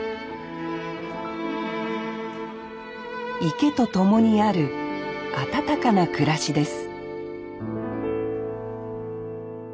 池と共にある温かな暮らしです